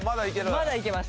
まだいけます。